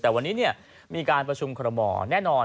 แต่วันนี้เนี่ยมีการประชุมคนมแน่นอน